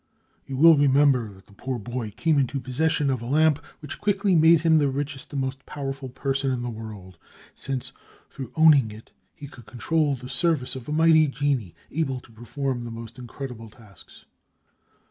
You will remember that the poor boy came into possession of a lamp which quickly made him the richest and most powerful person in the world, since, through owning it, he could control the service of a mighty genie, able to perform the most incredible tasks.